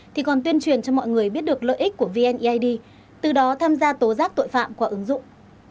thì còn tuyên truyền cho mọi người biết được lợi ích của vneid từ đó tham gia tố giác tội phạm qua ứng dụng